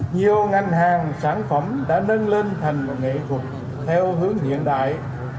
nhiều ngành hàng sản phẩm đã nâng lên thành một nghệ thuật theo hướng hiện đại